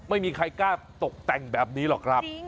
ไม่มีใครกล้าตกแต่งแบบนี้หรอกครับ